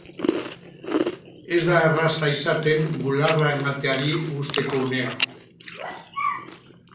Ez da erraza izaten bularra emateari uzteko unea.